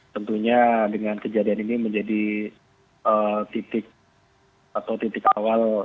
tentunya dengan kejadian ini menjadi titik atau titik awal